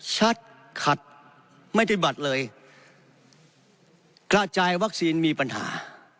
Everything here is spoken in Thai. ชัดขัดไม่ได้บัตรเลยกระจายวัคซีนมีปัญหา